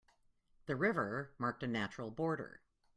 The river marked a natural border.